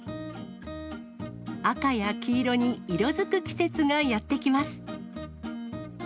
赤や黄色に色づく季節がやってきます。